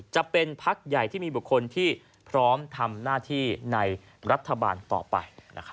จะเป็นพักใหญ่ที่มีบุคคลที่พร้อมทำหน้าที่ในรัฐบาลต่อไป